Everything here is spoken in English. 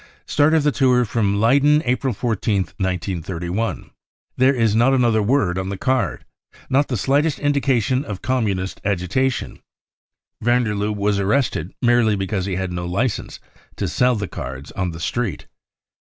Start of the tour from Leyden, April 14th* 1931." There is not another word oft the card, not the slightest indication of Communist agitation. Van der Lubbe was arrested merely because he had no licence to sell cards on the street.